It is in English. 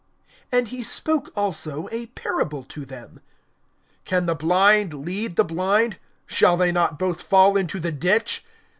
(39)And he spoke also a parable to them: Can the blind lead the blind? Shall they not both fall into the ditch?